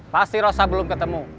pasti rossa belum ketemu